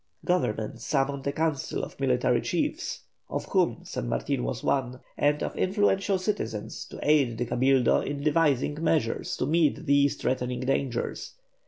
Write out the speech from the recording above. Government summoned a council of military chiefs of whom San Martin was one and of influential citizens, to aid the Cabildo in devising measures to meet these threatening dangers.